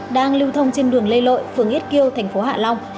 đang lưu thông trên đường lê lội phường ít kiêu thành phố hạ long